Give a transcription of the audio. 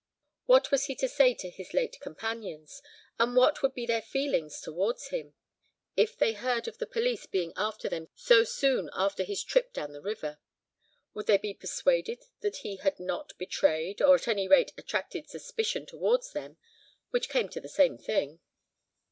What was he to say to his late companions, and what would be their feelings towards him, if they heard of the police being after them so soon after his trip down the river? Would they be persuaded that he had not betrayed, or at any rate attracted suspicion towards them, which came to the same thing?